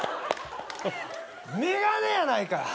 眼鏡やないか。